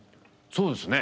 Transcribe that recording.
そうですね。